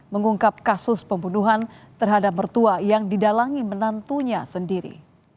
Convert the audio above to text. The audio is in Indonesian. mengungkap kasus pembunuhan terhadap mertua yang didalangi menantunya sendiri